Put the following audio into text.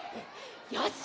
よし。